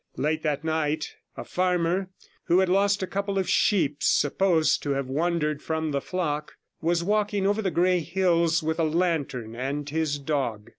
Late that night a farmer, who had lost a couple of sheep, supposed to have wandered from the flock, was walking over the Grey Hills, with a lantern and his dog.